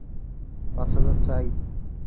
পাঁচ হাজার চাই?